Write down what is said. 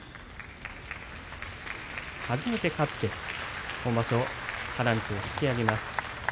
初めて勝って今場所、花道を引き揚げます。